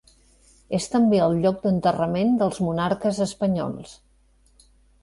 És també el lloc d'enterrament dels monarques espanyols.